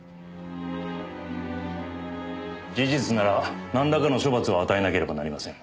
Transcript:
事実ならなんらかの処罰を与えなければなりません。